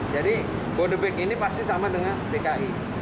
jadi bodebek ini pasti sama dengan dki